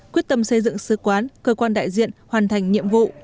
quyết tâm xây dựng sứ quán cơ quan đại diện hoàn thành nhiệm vụ